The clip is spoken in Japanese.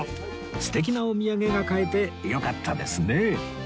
素敵なお土産が買えてよかったですね